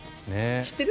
知ってる？